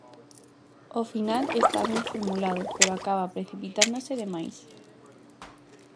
O final está ben formulado, pero acaba precipitándose de máis.